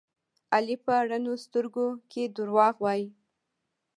علي په رڼو سترګو کې دروغ وایي.